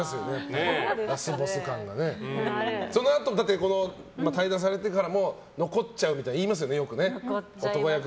そのあと退団されて方からも残っちゃうって言いますよね。